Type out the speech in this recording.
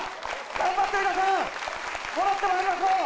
頑張って皆さん、戻ってまいりましょう。